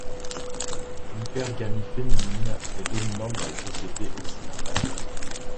L'hypergamie féminine est dominante dans les sociétés occidentales.